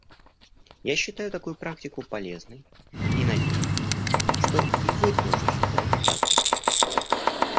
Я считаю такую практику полезной и надеюсь, что и вы тоже считаете так же.